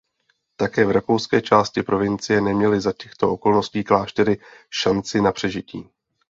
Také v rakouské části provincie neměly za těchto okolností kláštery šanci na přežití.